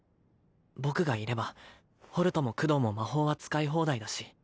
僕がいればホルトもクドーも魔法は使い放題だし